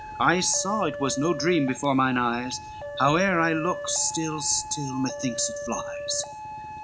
I saw it was no dream, before mine eyes, Howe'er I look, still, still methinks it flies.